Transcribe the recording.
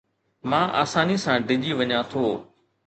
مان آساني سان ڊڄي وڃان ٿو